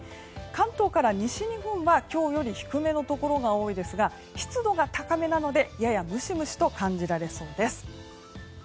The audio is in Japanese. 関東から西日本は今日より低めのところが多いですが湿度が高めなのでややムシムシと感じられそうです。